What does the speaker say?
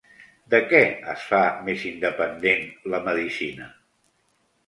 De què es fa més independent la medicina?